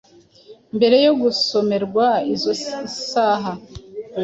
mbere yo gusomerwa izo saha